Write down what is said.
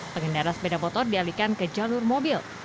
pengendara sepeda motor dialihkan ke jalur mobil